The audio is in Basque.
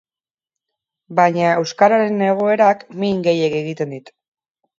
Baina euskararen egoerak min gehiegi egiten dit.